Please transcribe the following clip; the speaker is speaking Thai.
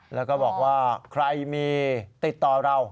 แล้วก็บอกว่าใครมีติดต่อเรา